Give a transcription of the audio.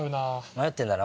迷ってんだな？